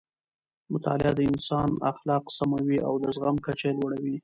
مطالعه د انسان اخلاق سموي او د زغم کچه یې لوړوي.